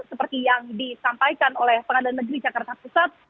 seperti yang disampaikan oleh pengadilan negeri jakarta pusat